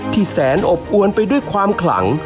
แสนอบอวนไปด้วยความขลัง